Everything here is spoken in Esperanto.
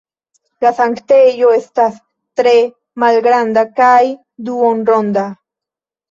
La sanktejo estas tre malgranda kaj duonronda.